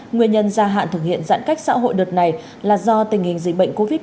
nguyên nhân gia hạn thực hiện giãn cách xã hội đợt này là do tình hình covid một mươi chín trên địa bàn tỉnh